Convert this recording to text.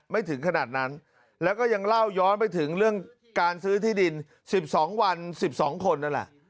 ถึงขนาดนั้นแล้วก็ยังเล่าย้อนไปถึงเรื่องการซื้อที่ดิน๑๒วัน๑๒คนนั่นแหละ